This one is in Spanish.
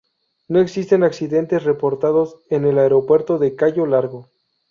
No existen accidentes reportados en el aeropuerto de Cayo Largo.